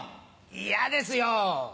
嫌ですよ。